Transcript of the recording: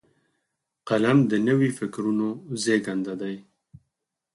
قلم د نوي فکرونو زیږنده دی